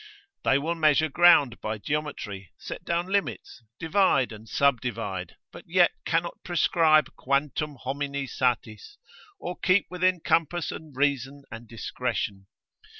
They will measure ground by geometry, set down limits, divide and subdivide, but cannot yet prescribe quantum homini satis, or keep within compass of reason and discretion.